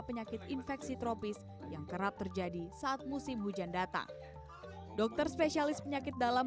penyakit infeksi tropis yang kerap terjadi saat musim hujan datang dokter spesialis penyakit dalam